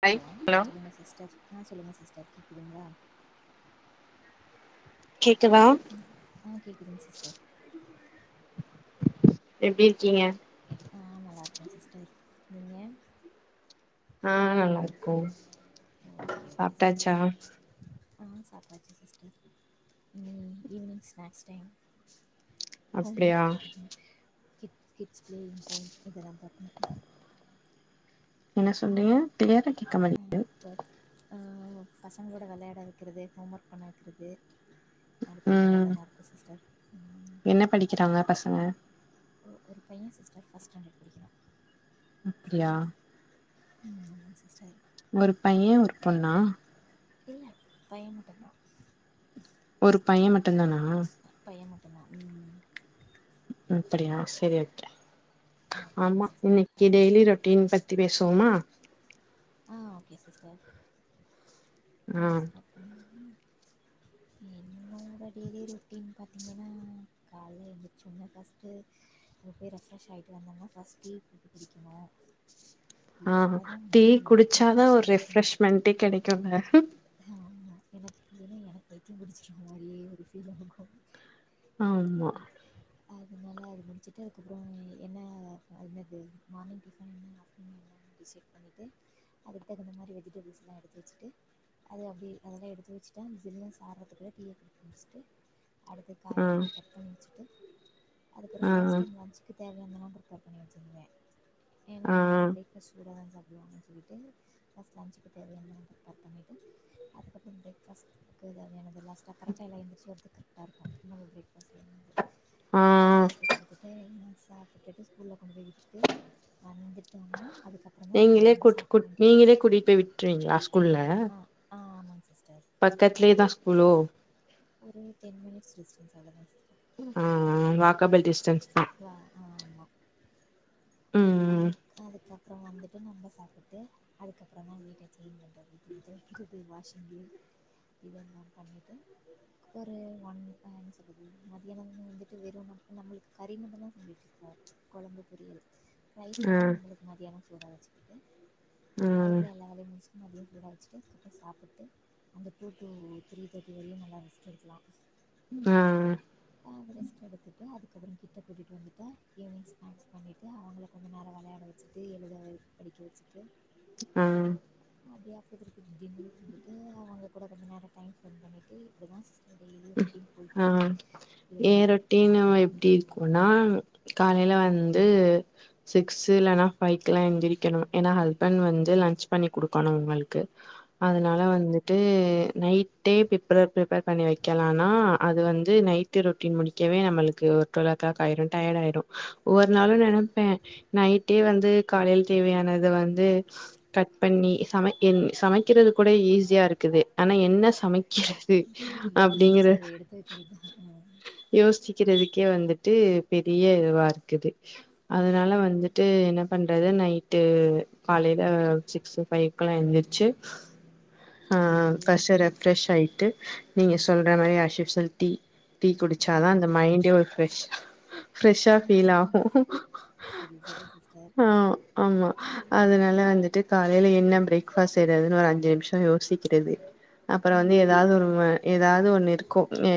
Hello சொல்லுங்க sister ஆன் சொல்லுங்க சிஸ்டர் கேக்குதுங்களா கேக்குதா கேக்குதுங்க ஆ கேக்குதுங்க சிஸ்டர் எப்டிருக்கீங்க ஆ நல்லாருக்கேன் சிஸ்டர் நீங்க ஆ நல்லா இருக்கோம் ஓகே ஓகே சாப்ட்டாச்சா சிஸ்டர் ஆ சாப்ட்டாச்சு சிஸ்டர் நீ ஈவினிங் ஸ்நாக்ஸ் டைம் ஹோம் அப்டியா work kid kids playing time இதெல்லாம் பத்தணும் என்ன சொல்றீங்க கிளியரா கேட்க மாடி இப்ப ஆ பசங்களோட விளையாட வைக்கிறது ஹோம் ஒர்க் பண்ண வைக்கிறது அடுத்து இந்த வேலை ம் தா இருக்கு சிஸ்டர் ம் என்ன படிக்கிறாங்க பசங்க ஒரு பையன் சி்ஸ்டர் பஸ்ட் ஸ்டாண்டர்ட் படிக்கிறா அப்டியா ஆமா சிஸ்டர் ஒரு பையன் ஒரு பொண்ணா இல்ல பையன் மட்டுதான் ஒரு பையன் மட்டும்தானா பையன் மட்டுதான் ம அப்டியா சேரி ஓகே ஓகேங்க ஆமா சிஸ்டர் இன்னிக்கே டெய்லி ரொட்டீன் பத்தி பேசுவோமா ஆ ஓகே சிஸ்டர் ஆ ஸ்டாட்‌ பண்ணிருவோமா என்னோட டெய்லி ரொட்டின் பா பார்த்திங்கன்னா கால்லே எந்திருச்சனுடனே பஸ்ட்டு அங்க போய் ரெப்ரஷ் ஆகிட்டு வந்தம்னா பஸ்டு டீ போட்டு குடிக்கோணும் டீ ஆ அப்போ தான் மைண்டு எனக்கு ரெப்ரெஷ் ஆய்டுச்சு மண் டீ கெடைக்கும்ங்க ஆமா எனக் இல்லனா பைத்திய புடிச்ச மாரியே ஒரு பீல் ஆகு ஆமா அதனால அது முடிச்சிட்டு அதுக்கப்பறோ என்ன அனது மார்னிங் டிபன் என்ன ஆப்டர்நூன் என்ன டிசைட் பண்ணிட்டு அதுக்கு தகுந்த மாரி வெஜிடபிள்ஸ்லாம் எடுத்து வச்சிட்டு அது அப்டி அதெல்லாம் எடுத்து வச்சிட்டு சில்நெஸ் ஆறதுக்குள்ள டீயை குடிச்சு முடிச்சிட்டு அடுத்து ஆ காய எல்லாத்தையும் கட் பண்ணி வச்சுட்டு அதுக்கொரு ஃபர்ஸ்ட் இந்த ஆ லன்ஞ்சு க்கு தேவையானதலா பிரிப்பேர் பண்ணி வச்சிருவே ஏன்னா ஆ இப்ப சூடா வந்து சாப்டுவாங்கன்னு சொல்லிட்டு ஃபர்ஸ்ட் லன்சுக்கு தேவையானதலாம் பிரிப்பேர் பண்ணிட்டு அதுக்கப்பறம் பிரேக் ஃபாஸ்டுக்கு தேவையானதெல்லாம் பத்தரைக்கா எல்லா எழுந்திருச்சு வரதுக்கு கரெக்டா இருக்கும் நோவே பஸ்லேந்து அத ஆ எடுத்து குடுத்துட்டு எல்லா சாப்டுக்கிட்டு கூல்ல கொண்டு போய் விட்டுட்டு வந்துட்டாங்ளா அதுக்கப்றந்தா நம்ப சாப்புடணு வே கூட்டிட் பே விட் ட்ருவவீங்ளா ஸ்கூல்ல ஆ ஆமாங் சிஸ்டர் பக்கத்ல தா ஸ்கூலோ ஒரு டென் மினிட்ஸ் டிஸ்டன்ஸ் அவ்ளோ தா சிஸ்டர் அ அ வாக்கபுல் டிஸ்டன்ஸ் தா வ ஆமா ம் அது அதுக்கப்பற வந்துட்டு நம்ப சாப்புட்டு அதுக்கப்பற தா வீட்ட க்ளீன் பண்டு அப்டி துணி தொவக்கிறது வாஷிங்லே இதல்லா பண்ணிட்டு ஒரு ஒன் ப என்ன சொல்றது மதியானமு வந்துட்டு வெறு முட் நம்மளுக்கு கறி மட்டுதாசொல்லிட்ச் ஓக்கி கொழம்பு பொரியல் ரைஸ் ம் மட்டு நம்பளுக்கு மதியான சூடா வச்சுக்கிட்டு ஆ அதுக்குள்ள எல்லா வேலையு முடிச் மதிய சூடா வச்சுட்டு அதுக்கப்ப சாப்புட்டு அந்த டூ டூ த்ரீ தேர்ட்டி வரையு நல்லா ரெஸ்ட் எடுக்லா அ அ அ அவ ரெஸ்ட் எடுத்துட்டு அதுக்கப்பற கிட்ட கூட்டிட்டு வந்துட்டா ஈவினிங் ஸ்நேக்ஸ் பண்ணிட்டு அவங்ள கொஞ்ச நேர வெளையாட வெச்சிட்டு எழுதவே படிக்க வெச்சுட்டு அ அப்டியா [unintelligible] டின்னர் சிஞ்சிட்டு அவங்க கூட கொஞ்ச நேர டைம் ஸ்பெண்ட் பண்ணிட்டு இப்டி தா சீஸ்ட் டெய்லியு ரொட்டீண் ஆ போயிட்ருக்கு இதுல வேறெது புதுசா கொனா காலைல வந்து சிக்ஸ் இல்லன்னா ஃபைவ்க்கலா எந்துரிக்கணு ஏன்னா ஹஸ்பண்ட் வந்து லஞ்ச் பண்ணி குடுக்கணு உங்களுக்கு அதனால ஓகே வந்துட்டு நைட்டே பிப்பர பிப்பேர் பண்ணி வக் கெலானா அது வந்து நைட்டு ரொட்டீன் முடிக்கவே நம்மளுக்கு ஒரு டுவல் ஓ க்ளாக் ஆயிரு டயர்ட் ஆயிரு ஒவ்வொரு நாளு சரி சரி நெனப்பே நைட்டே வந்து காலைல் தேவயானது வந்து கட் பண்ணி சமக்கின் சமக்கிறது கூட ஈஸியா இருக்குது ஆனா என்ன சமக்கிறத் து யோசிச்சு அத எடுத்து வக்கிறத்தா யோஸ்சிக்கிறதுக்கே வந்துட்டு பெரிய இதுவா இருக்குது ம் அதனால ம் ம் வந்துட் டு என்ன பண்ணுறது நைட்டு காலைல சிக்ஸு ஃபைக்குலா எந்துர்ச்சு ஆ ஓகே கஷர ஃ‌ப்ரெஸ்‌ ஆயிட்டு நீங்க சொல்ற மாரி ஆஷ்யூஷல் டீ டீ குடிச்சாதா அந்த மைண்டே ஒரு ஃப்ரெஷ் ஃப்ரெஷ்ஷா ஃபீல் ஆகு ஓகே சரி சரி சிஸ்டர் ஆ ஆமா அதனால வந்துட்டு காலைல என்ன பிரேக்ஃபாஸ்ட் செய்றதுன்னு ஒரு அஞ்சு நிம்ஷோ யோசிக்கிறது அப்பற வந்து ம் ஏதாவ்து ஒரு ம ஏதாவ்து ஒன்னு இருக்கு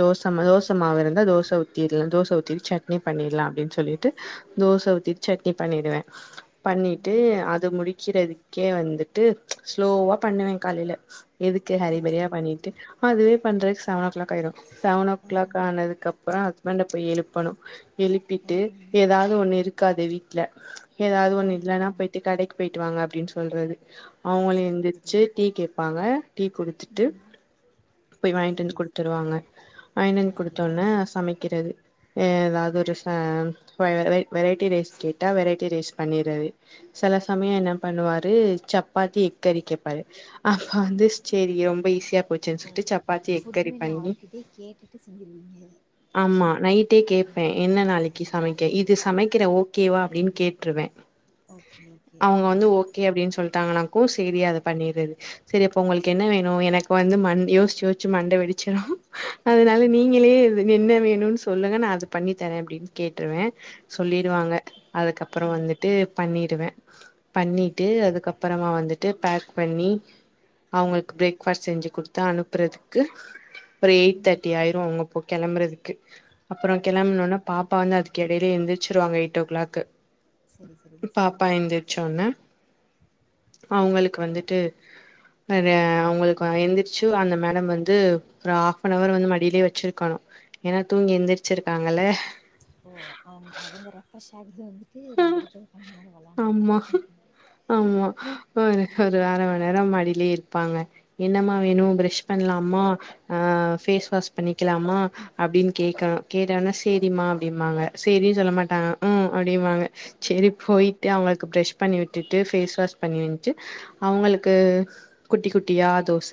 தோசம தோச மாவு இருந்தா தோச ஊத்திரல தோச ஊத்திட்டு சட் னி பண்ணிட்லா அப்டின் சொல்லிட்டு தோச ஊத்திட்டு சட்னி பண்ணிடுவே பண்ணிட்டு ம் அது முடிக்கிறதுக்கே வந்துட்டு ஸ்லோவா பண்ணுவே காலைல எதுக்கு ஹரி சரி ஃபரியா சரி பண்ணிட்டு சிஸ்டர் அதுவே பண்றதுக் சவன் ஓ க்ளாக் ஆயிரு சவன் ஓ க்ளாக் ஆஹஹ ஆனது அப்பறோ ஹஸ்பண்ட போய் எழுப்பணு எழுப்பிட்டு ஆஹஹ ஏதாவ்து ஒன்னு இருக்காது வீட்ல ஏதாவ்து ஒன்னு இல்லனா ஆஹஹ பொய்டு கடைக் பெய்ட்டு வாங்க அப்டின் சொல்றது அவுங்களு சரி சரி எந்துர்ச்சு டீ கேபாங்க டீ குடுத்துட்டு ம் போய் வாங்கிட்டு வந்து சரி ச குடுத்துருவாங்க வாயினந்து ஓகே குடுத்தோனே சமைக்கிறது ஏதாவது ஒரு வெரைட்டி ரைஸ் கேட்டா வெரைட்டி ரைஸ் பண்ணிறது செல சமய என்ன பண்ணுவாரு சப்பாத்தி எக்கரி கேப்பாரு அப்ப வந்து செரி ரொம்ப ஈஸியா போச் ஓ புட்மெனு அவர்கிட்டே கேட்டுட்டு செஞ்சிருவீங்க ஆமா நைட்டே கேட்பேன் என்ன நாளைக் கி சமைக்க இது சமைக்கிற ஓகேவா அப்டின்னு கேட்ருவே ஓகே ஓகே அவ்ங்க வந்து ம் ஓகே அப்டின் சொல்ட்டாங்கனா சேரி அத பண்ணிரது செரிப்போ உங்களுக்கு என்ன வேணு எனக்கு வந்து யோஸ்சூ யோஸ்சூ மண்ட வெடிச்சிடு அதனால நீங்களே இது என்ன வேணுன் சொல்லுங்க நா அத பண்ணி தரே அப்டின் கேட்டுருவே சரி சொல்லிருவாங்க அதுக்கப்புற ம் வந்துட்டு பண்ணிருவே பண்ணிட்டு அதுக்கப்புறமா வந்துட்டு பேக் பண்ணி அவ்ங்களுக்கு பிரேக் பாஸ்ட் செஞ்சு குடுத்து அனுப்புறதுக்கு ஒரு எயிட் ம் தேர்ட்டி ஆயிரு அங்க போ கெளம்புறதுக்கு அப்புறோ கெளம்பனோனா பாப்பா வந்து அதுக்கு எடையிலே எந்திரச்சிருவாங்க எயிட் ஓ கிளாக்கு சரி சரி சிஸ்டர் பாப்பா எந்திர்ச்சொன்னே அவ்ங்களுக்கு வந்துட்டு அத அவங்களுக்கு எந்திர்ச் சு அந்த மேடம் வந்து ஒரு ஹாப்நவர் வந்து மடியிலயே வெச்சிருக்கணு ஏனா தூங்கி எந்திரிச்சிருக்காங்கல ஓ அவ்ங் அவங்க ரெஃப்ரெஷ் ஆகறது வந்துட்டு நம்மகிட்ட கொஞ்ச நேரம் வெளையாண்டாதா ஆமா ஆமா ஒரு ஒரு அர மணி நேரம் மடியிலயே இருப்பாங்க என்னமா வேணு பரஷ் பண்ணலாமா அ பேஸ் வாஷ் பண்ணிக்கலாமா அப்டின்னு கேக்கணு கேட்டோனா சேரிம்மா அப்டிம்பாங்க சேரின்னு சொல்ல மாட்டாங்க ம் அப்டிம்பாங்க செரி போயிட்டு அவங்களுக்கு ப்ரஷ் பண்ணி விட்டுட்டு பேஸ் வாஷ் பண்ணிவந்துட்டு அவங்களுக்கு குட்டி குட்டியா தோச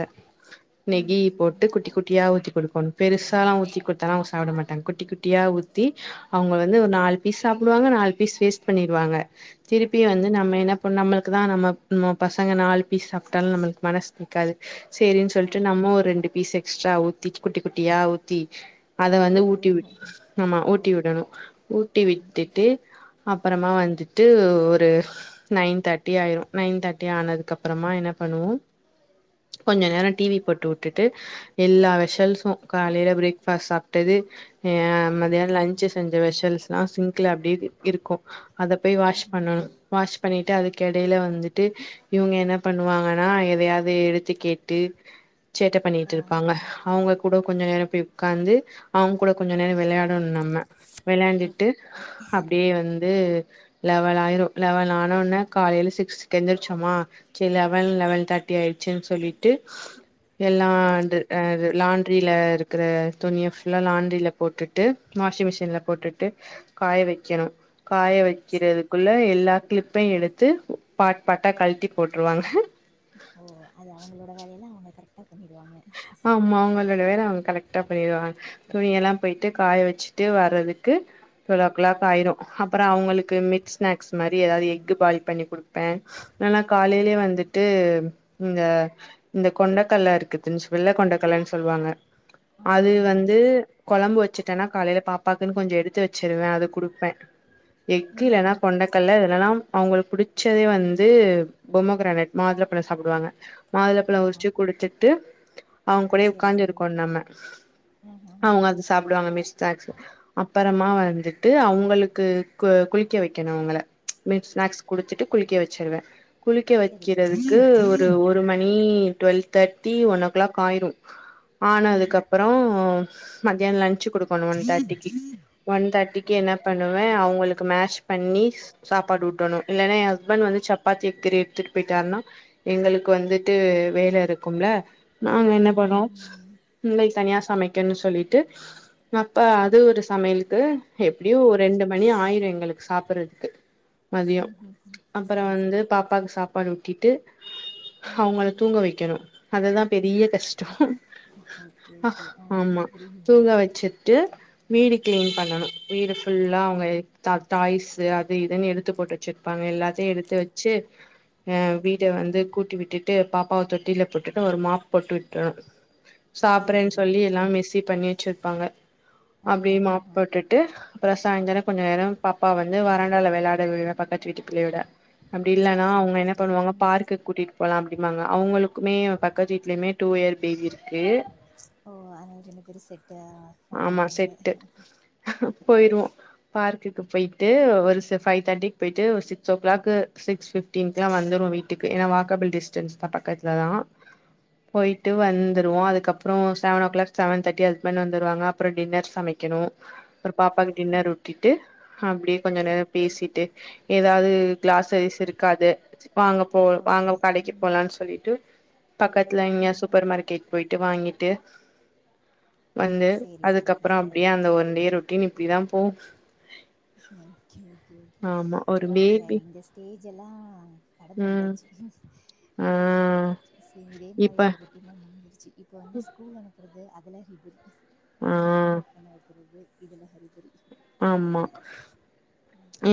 நெகி ம் போட்டு ம் குட்டி குட்டியா ஊத்தி குடுக்கோணு பெருசாலல்லா ஊத்தி குடுத்தால அவங்க சாப்பிட மாட்டாங்க குட்டி குட்டி யா ஊத்தி அவங்க வந்து ஒரு நாலு பீஸ் சாப்புடுவாங்க நாலு பீஸ் வேஸ்ட் பண்ணிருவாங்க திருப்பி ம் வந்து ம் நம்ம ம் என்ன பண்ண நம்மளுக்கு தா நம்ம நம்ம பசங்க நாலு பீஸ் சாப்ட்டாலு நம்மளுக்கு மனசு கேக்காது செரின்னு சொல்ட்டு ஆஹ நம்ம ஒரு ரெண்டு பீஸ் எக்ஸ்ட்ரா ஊத்தி குட்டி குட்டியா ஊத்தி அத வந்து ஊட்டி விட் ஆமா ஊட்டி விடணு ஓகே ஊட்டி ம் விட்டுட்டு அப்பறமா வந்துட்டு ஒரு நைன் தேர்ட்டி ஆயிரு நைன் தேர்ட்டி ஆனதுக்கு அப்புறமா என்ன பண்ணுவோ கொஞ்ச நேரோ டிவி போட்டு வுட்டுட்டு எல்லா வெஷல்சு காலையில பிரேக்பாஸ்ட் சாப்ட்டது ஹ் மத்தியான லன்சு செஞ்ச வெஷல்ஸ்லா சிங்க்ல அப்டியே இருக்கு அத போய் ம் வாஷ் ம் பண்ணணு வாஷ் பண்ணிட்டு அதுக்கு எடையில வந்துட்டு இவங்க என்ன பண்ணுவாங்கன்னா எதையாவது எடுத்து கேட்டு சேட்ட பண்ணிட்டு ஆ இருப்பாங்க அவங்க கூட கொஞ்ச நேரோ போய் உக்காந்து அவங்க கூட கொஞ்ச நேரோ வெளையாடணும் நம்ம ஓகே. வெளையாண்டுட்டு அப்டியே வந்து லெவன் ஆயிரோ லெவன் ஆனோன்னே காலைல சிக்ஸக்கு எந்திரச்சோமா செரி லெவன் லெவன் தேர்ட்டி ஆயிடுச்சுன்னு சொல்லிட்டு எல்லா லாண்ட்ரியில இருக்கிற துணிய புல்லா லாண்டரியில போட்டுட்டு வாஷிங் மிஷின்ல போட்டுட்டு காய வெக்கணு காய வைக்கிறதுக் க்குள்ள எல்லா கிளிப்பையும் எடுத்து பாட் பாட்டா கழட்டி போட்ருவாங்க ஓ அது அவங்களோட வேலையெல்லாம் அவங்க கரெக்டாக பண்ணிவிடுவாங்க ஆம்மா அவங்களோட வேல அவங்க கரெக்ட்டா பண்ணிருவாங்க துணியலாம் போயிட்டு காய வெச்சுட்டு வறதுக்கு டுவெல்வ ஓ கிளாக் ஆயிரும் அப்புறோம் அவுங்களுக்கு மிக்ஸ் ஸ்நாக்ஸ் மாரி ஏதாவது எஃகு பாயில் பண்ணி குடுப்பன் நல்லா காலையிலயே ஓகே வந்துட்டு இந்த இந்த கொண்டக்கல்ல இருக்குதுன்னு சொ வெள்ள கொண்டக்கல்லன்னு சொல்லுவாங்க ஆ அது ஆமாம் ஆமாம் வந்து சிஸ்டர் கொழம்பு வச்சுட்டேன்னா காலையில பாப்பாக்குன்னு கொஞ்ஜோ எடுத்து வச்சிருவேன் அது குடுப்பேன் எஃக்கு ம் இல்லன்னா ம் சரி கொண்டைக்கல்ல சரி இதுலல்லாம் அவுங்ளுக்கு பிடிச்சதே வந்து பொம்மகிரானேட் மாதுள பழம் சாப்பிடுவாங்க ஆ மாதுளப்பழம் ஆ உரிச்சு ஆ. குடித்துட்டு அவங்க கூடயே சரி சரி உட்காஞ்சிருக்கோணும் நம்ம ஆ ஆ ஆ அவுங்க ஆ. அது சாப்பிடுவாங்க பிக்ஸ் ஸ்நக்ஸ் அப்பறமா வந்துட்டு அவுங்களுக்கு கு குளிக்க வைக்கணும் அவுங்கள மீக்ஸ் ஸ்நாக்ஸ் குடுத்துட்டு குளிக்க வச்சிருவேன் குளிக்க சரி சரி வெக்கிறதுக்கு சிஸ்டர் ஒரு ஒரு மணி டுவெல் தேர்ட்டி உனக்கு பிளாக்காயிரும் ம் ம் ம் ஆனாதுக்கப்புறோம் மதியானம் லன்ச் குடுக்கணும் ஒன் தேட்டிக்கு ஒன் தேட்டிக்கு என்ன ஓகே பண்ணுவேன் அவுங்களு மேஷ் பண்ணி சாப்பாடு ஊட்டணும் இல்லன்னா என் ஹஸ்பண்ட் வந்து சப்பாத்தி கிரே எடுத்துட்டு போயிட்டாருன்னா எங்களுக்கு வந்துட்டு வேல இருக்கும்ல நாங்க என்ன ஆமாம் பண்ணோம் ம் ம், இள்ளை தனியா சமைக்கும்னு சொல்லிட்டு அப்ப அது ஒரு சமையலுக்கு எப்டியோ ஒரு ரெண்டு மணி ஆயிரும் எங்களுக்கு சாப்புறதுக்கு மதியோம் ம், ம். அப்புறோம் சரி வந்து சரி சிஸ்டர் பாப்பாக்கு சாப் நாடு ஊட்டிட்டு ம் ம், அவுங்கள ம். தூங்க வெக்கணும் அது தான் பெரிய கஷ்டோம் ஓகே அ ஓகே ஆ ஆமா புரியுது தூங்க வெச்சுட்டு வீடு கிளீன் ம் பண்ணணும் வீடு ஃபுல்லா அவுங்க டதாய்ஸ்ஸு அது இதுன்னு எடுத்து போட்டு வெச்சுருப்பாங்க எல்லாத்தயும் எடுத்து வெச்சு [inaudible] அ ஓகே வீட வந்து சிஸ்டர் கூட்டி விட்டுட்டு பாப்பாவ தொட்டியில போட்டுட்டு ஒரு மாப் போட்டு விட்ருவன் சரி சாப்புறன்னு சரிங்க சொல்லி எல்லா சிஸ்டர் மெஸி பண்ணி வெச்சிருப்பாங்க ஆ அப்டி ஆ ஆ மாப் ஆ பொட் விட்டு அப்புறோம் சாய்தரோம் கொஞ்ஜோ நேரம் பாப்பா வந்து வறண்டால விளையாட விடுவேன் பக்கத்து வீட்டு பிள்ளையோட அப்டி சரி, இல்லன்னா சரிங்க அவுங்க என்ன சிஸ்டர். பண்ணுவாங்க ம். பார்க்க்கு கூட்டிட்டு போலாம் அப்டிம்பாங்க அவுங்களுக்குமே பக்கத்து வீட்டு லயுமே டூ இயர் பேபி இருக்கு ஓ அவங்க ரெண்டு பேரும் செட்டு பார்ம் ஆய்ட்டாங்க போயிருவோம் பார்க்கக்கு போயிட்டு ஒரு ஃபைவ் தேர்டிக்கு போயி்ட்டு சிக்ஸ் ஓ கிளாக் சிக்ஸ் அப்டித்தான் வந்துருவோம் வீட்டுக்கு ஏன்னா வாக்கபிள் டிஸ்டன்ஸ் தான் பக்கத்துல தான் போயிட்டு வந்துருவோம் அதுக்கப்புறோம் seven o'clock seven thirty அந்த மாரிதான் தருவாங்க அப்புறோம் டின்னர் சமைக்கணும் அ பாப்பாக்கு டின்னர் ஊட்டி ட்டு அப்டியே கொஞ்ச நேரம் ஓகே, பேசிட்டு ஏதாது கிளாசரிஸ் இருக்காது வாங்க போவோ ஓகே. வாங்க கடைக்கு ம். போலாம்னு சொல்லிட்டு பக்கத்துல இங்யா ஆஹா. சூப்பர் மார்க்கெட் போய்ட்டு வாங்கிட்டு வந்து சரி, சரி அதுக்கப்புறம் சிஸ்டர். அப்டியே அந்த ம். ஒனா டே ரொட்டீன் இப்டி தான் போவும் ஓகே ஓகே ஓகே ஆமா ஒரு இதெல்லாம் நாங்க பேபி இந்த ஸ்டேஜ்யெல்லா கடந்து ம் வந்தாச்சு ஆ ஓகே ஓகே சரி இதே இப்ப மாரி ஒரு இதல்லாம் முடிஞ்சருச்சு இப்ப வந்து ஸ்கூல் அனுப்புறது அதுலாம் [inaudible] ஆ வந்தா ஹோம் ஒர்க் பண்ண வைக்கிறது இதுல ஹரிபறி ஆமா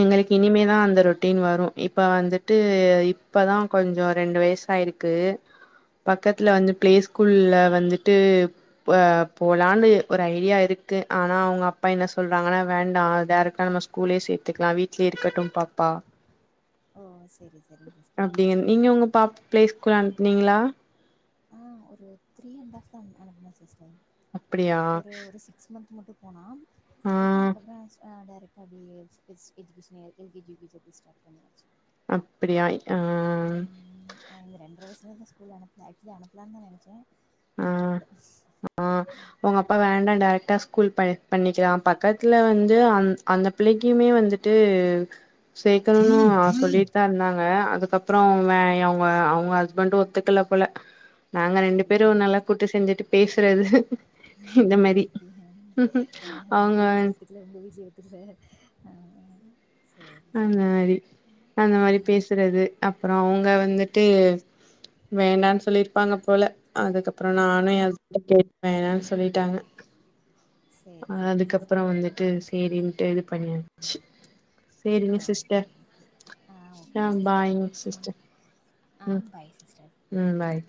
எங்களுக்கு இனிமேதான் ஓகே. அந்த ரொட்டீன் வரும் இப்ப வந்துட்டு இப்பதா கொஞ்சோ ரெண்டு வயசாயிருக்கு பக்கத்துல ம். வந்து பிளே ஸ்கூல்ல வந்துட்டு போலானு ஒரு ஐடியா இருக்கு ஆனா அவங்க அப்பா என்ன சொல்றாங்கனா வேண்டா டேரக்டா நம்ம ஸ்கூலே சேத்துக்கலா வீட்லயே இருக்கட்டு பாப்பா ஓ சேரி சேரிங் சிஸ்டர் அப்டின்னு உம் நீங்க உங்க பாப் பிளே ஸ்கூல் அனுப்னீங்களா ஒரு த்ரீ அண்ட்ப் தா அனுப்னே சிஸ்டர் அப்டியா ஒரு சிக் சிகஸ் மந்த் முட்டு போனா ஆ போயிட்டு அதுக்கப்றோ டைரக்ட் அப்டியே [unintelligible] ஸ்டார்ட் பண்யாச்சு அப்டியா ஆ ம் ம் இந்த ரெண்டர வயசுலேருந்து ஸ்கூல் அனுப்பல ஆக்சுவலா அனுப்லானு தா நெனச்சே ஆ ஆனா அனுப்பல ஆ உங்க அப்பா வேண்டா டேரக்டா ஸ்கூல் பண்ணிக்கலா பக்கத்துல வந்து அ அந்த பிள்ளைக்குமே வந்துட்டு சேர்க்கணுனு சொல்லிட்டு இருந்தாங்க அதுக்கப்றோ வே அவுங்க அவங்க அவங்க ஹஸ்பண்டு ஒத்துக்கல போல நாங்க ரெண்டு சேரி பேரு சேரி நல்லா சிஸ்டர் கூட்டி செஞ்சுட்டு பேசுறது இந்த ஓகே மாரி ஓகே ஹ ஆ எங்க அவங்க விசயத்து இல்ல உங்க வீட்லயு ஒத்துகல சேரி அந்த சரிங்க சிஸ்டர் பாய் அப்றோ அவங்க வந்துட்டு வேண்டானு சொல்லிருப்பாங்க போல அதுக்கப்றோ ம் நானு ஏ ம் ஹஸ்பன்ட கேட்டு வேணானு சொல்லிட்டாங்க சேரி சேரிங்க அதுக்கப்றோ சிஸ்டர் வந்துட்டு ம் சேரின்ட்டு இது பண்ணியாச்சு ஓகே ஓகே ஆ ஆ ஓகேங்க சிஸ்டர் பாய்ங்க சிஸ்டர் ஆ ம் பாய் சிஸ்டர் ம் பாய்